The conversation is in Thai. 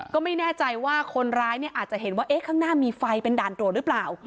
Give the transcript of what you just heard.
ก็ไม่แน่ใจว่าคนร้ายเนี่ยอาจจะเห็นว่าข้างหน้ามีไฟเป็นด่านตรวจหรือเปล่า